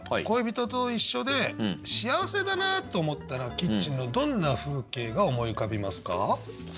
恋人と一緒で幸せだなと思ったらキッチンのどんな風景が思い浮かびますか？